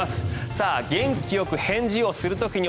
元気よく返事をする時の